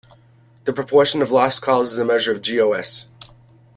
The proportion of lost calls is the measure of GoS.